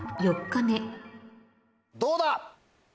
どうだ。